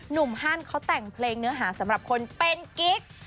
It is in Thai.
หั่นเขาแต่งเพลงเนื้อหาสำหรับคนเป็นกิ๊ก